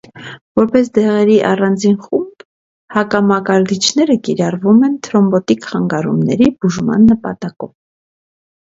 Որպես դեղերի առանձին խումբ, հակամակարդիչները կիրառվում են թրոմբոտիկ խանգարումների բուժման նպատակով։